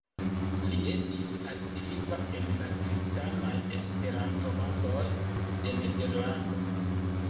Li estis aktiva en la kristanaj Esperanto-rondoj de Nederlando.